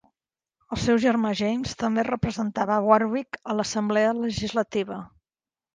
El seu germà James també representava Warwick a l'assemblea legislativa.